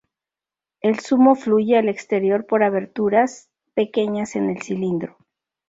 El zumo fluye al exterior por aberturas pequeñas en el cilindro.